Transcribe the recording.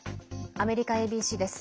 アメリカＡＢＣです。